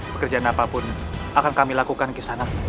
pekerjaan apapun akan kami lakukan kesana